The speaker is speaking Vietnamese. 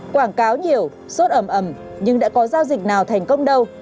quảng cáo nhiều sốt ẩm nhưng đã có giao dịch nào thành công đâu